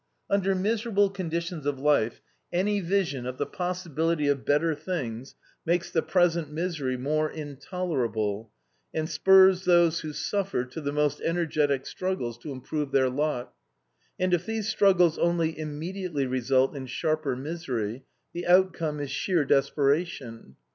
"Under miserable conditions of life, any vision of the possibility of better things makes the present misery more intolerable, and spurs those who suffer to the most energetic struggles to improve their lot, and if these struggles only immediately result in sharper misery, the outcome is sheer desperation.